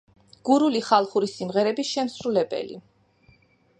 გურული ხალხური სიმღერების შემსრულებელი.